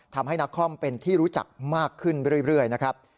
ทำให้นักคอมเป็นที่รู้จักมากขึ้นเรื่อยนะครับ